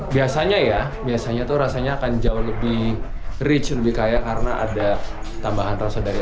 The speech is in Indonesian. biasanya ya biasanya tuh rasanya akan jauh lebih rich lebih kaya karena ada tambahan rasa dari